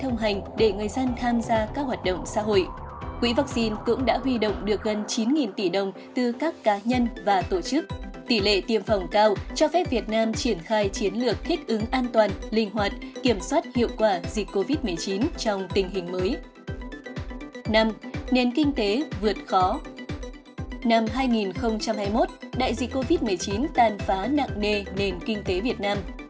năm hai nghìn hai mươi một đại dịch covid một mươi chín tàn phá nặng nề nền kinh tế việt nam